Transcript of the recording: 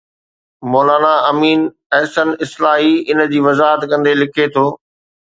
مولانا امين احسن اصلاحي ان جي وضاحت ڪندي لکي ٿو